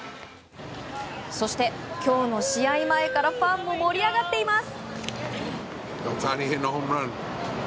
そして今日の試合前からファンも盛り上がっています。